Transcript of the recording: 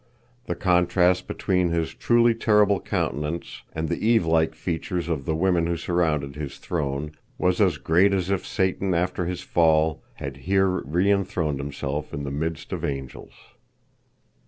The contrast between his truly terrible countenance and the Eve like features of the women who surrounded his throne was as great as if Satan after his fall had here re enthroned himself in the midst of angels.